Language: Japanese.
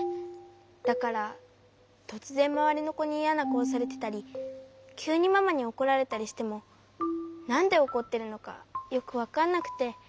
だからとつぜんまわりのこにイヤなかおされてたりきゅうにママにおこられたりしてもなんでおこってるのかよくわかんなくて。